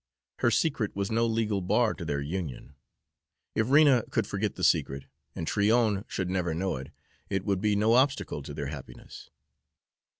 Her secret was no legal bar to their union. If Rena could forget the secret, and Tryon should never know it, it would be no obstacle to their happiness.